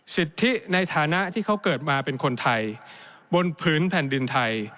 สิทธิในฐานะที่เขาเกิดมาเป็นคนไทยบนผืนแผ่นดินไทย